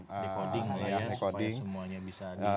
ya semuanya supaya semuanya bisa disimpan